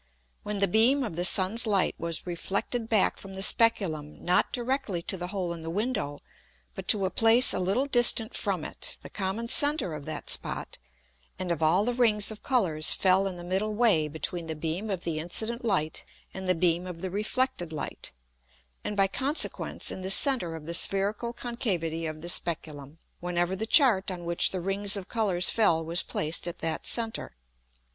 Obs. 10. When the beam of the Sun's Light was reflected back from the Speculum not directly to the hole in the Window, but to a place a little distant from it, the common center of that Spot, and of all the Rings of Colours fell in the middle way between the beam of the incident Light, and the beam of the reflected Light, and by consequence in the center of the spherical concavity of the Speculum, whenever the Chart on which the Rings of Colours fell was placed at that center.